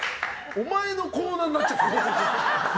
お前のコーナーになっちゃってる。